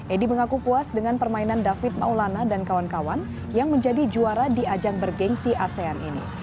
edi mengaku puas dengan permainan david maulana dan kawan kawan yang menjadi juara di ajang bergensi asean ini